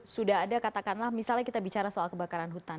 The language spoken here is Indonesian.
sudah ada katakanlah misalnya kita bicara soal kebakaran hutan